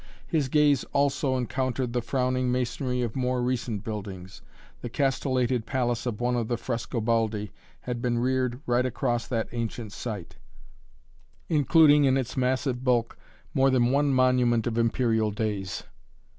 His gaze also encountered the frowning masonry of more recent buildings. The castellated palace of one of the Frescobaldi had been reared right across that ancient site, including in its massive bulk more than one monument of imperial days.